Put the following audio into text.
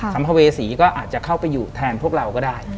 ัมภเวษีก็อาจจะเข้าไปอยู่แทนพวกเราก็ได้